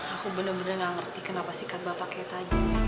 aku benar benar tidak mengerti kenapa si kak bapak kaya tajam ya